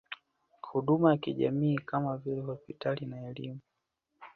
Huduma za kijamii kama vile hospitali na elimu